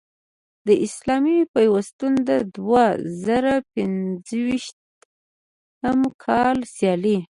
د اسلامي پیوستون د دوه زره پنځویشتم کال سیالۍ